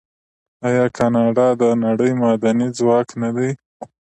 آیا کاناډا د نړۍ معدني ځواک نه دی؟